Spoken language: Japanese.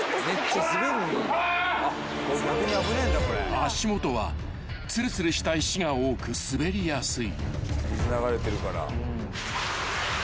［足元はつるつるした石が多く滑りやすい］